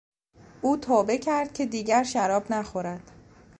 او توبه کرد که دیگر شراب نخورد.